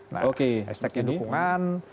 nah hashtagnya dukungan